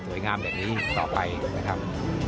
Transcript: งามแบบนี้ต่อไปนะครับ